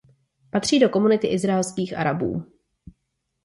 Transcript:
Patří do komunity izraelských Arabů.